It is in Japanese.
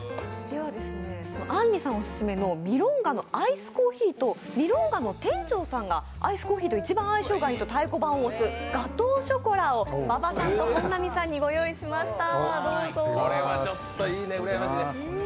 あんりさんオススメのミロンガのアイスコーヒーとミロンガの店長さんが、アイスコーヒーと一番相性がいいと太鼓判を押すガトーショコラを馬場さんと本並さんにご用意しました。